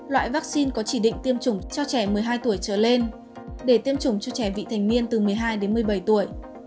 loại vaccine có chỉ định tiêm chủng cho trẻ một mươi hai tuổi trở lên để tiêm chủng cho trẻ vị thành niên từ một mươi hai đến một mươi bảy tuổi